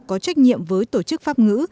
có trách nhiệm với tổ chức pháp ngữ